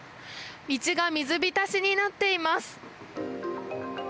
道が水浸しになっています。